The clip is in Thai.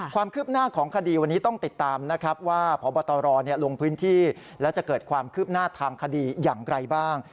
ความคืบหน้าของคดีวันนี้ต้องติดตามนะครับว่าพบตรลงพื้นที่และจะเกิดความคืบหน้าทางคดีอย่างไรบ้าง